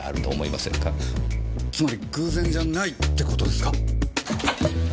つまり偶然じゃないって事ですか？